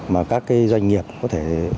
mà các doanh nghiệp có thể tìm kiếm